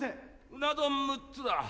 うな丼６つだ。